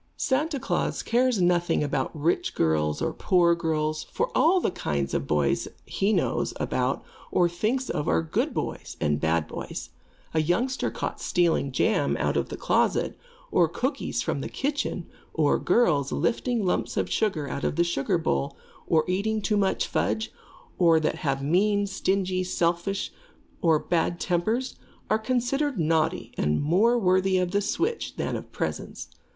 Santa Klaas cares nothing about rich girls or poor girls, for all the kinds of boys he knows about or thinks of are good boys and bad boys. A youngster caught stealing jam out of the closet, or cookies from the kitchen, or girls lifting lumps of sugar out of the sugar bowl, or eating too much fudge, or that are mean, stingy, selfish, or have bad tempers, are considered naughty and more worthy of the switch than of presents.